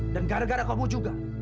dan gara gara kamu juga